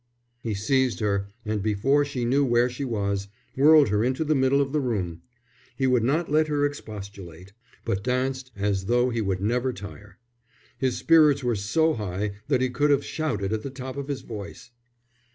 He seized her, and before she knew where she was, whirled her into the middle of the room. He would not let her expostulate, but danced as though he would never tire. His spirits were so high that he could have shouted at the top of his voice.